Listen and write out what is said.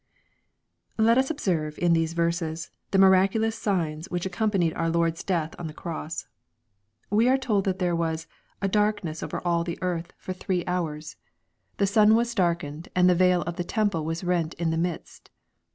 Let us observe in these verses, the miracidous signs which accompanied our Lord's death on the cross. We are told that there was "a darkness overall theearth" fortbreo liUKE, CHAP. XXIII. 479 hours. " The sun was darkened and the veil of the temple was rent in the midst."